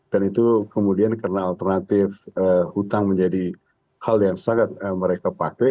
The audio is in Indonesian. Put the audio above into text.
dan itu kemudian karena alternatif utang menjadi hal yang sangat mereka pakai